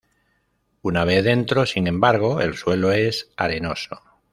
Una vez dentro, sin embargo, el suelo es arenoso.